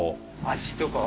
味とか。